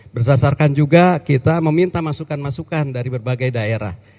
berdasarkan juga kita meminta masukan masukan dari berbagai daerah